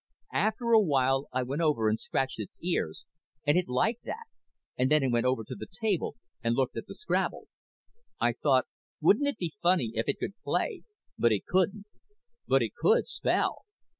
_ _After a while I went over and scratched its ears and it liked that and then it went over to the table and looked at the Scrabble. I thought wouldn't it be funny if it could play but it couldn't. But it could spell!